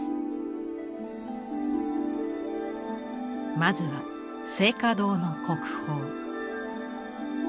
まずは静嘉堂の国宝。